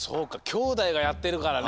きょうだいがやってるからね。